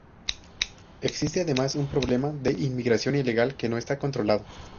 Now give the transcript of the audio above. Existe además un problema de inmigración ilegal que no está controlado.